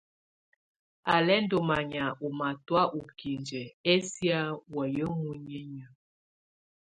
Á lɛ̀ ndù manyà ù matɔ̀́á u kindiǝ ɛsɛ̀á wayɛ̀á muninyǝ́.